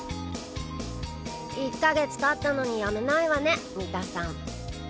１か月経ったのに辞めないわね三田さん。